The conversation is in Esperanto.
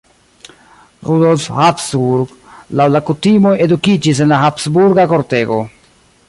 Rudolf Habsburg laŭ la kutimoj edukiĝis en la Habsburga kortego.